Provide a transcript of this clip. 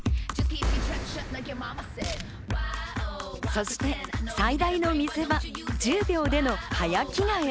そして最大の見せ場、１０秒での早着替え。